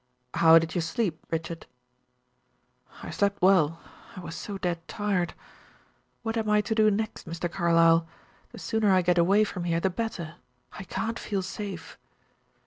"How did you sleep, Richard?" "I slept well. I was so dead tired. What am I to do next, Mr. Carlyle? The sooner I get away from here the better. I can't feel safe."